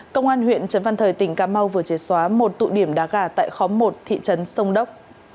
công an huyện trấn văn thời tỉnh cà mau vừa chế xóa một tụ điểm đá gà tại khóm một thị trấn sông đốc